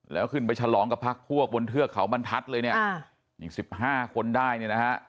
แล้วขึ้นไปฉลองกับพระภวกบนเทือกเขามันทัศว์เลยยังสิบห้าคนได้เนี่ยนะคะ